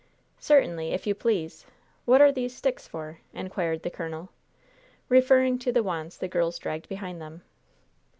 "Certainly, if you please. What are these sticks for?" inquired the colonel, referring to the wands the girls dragged behind them.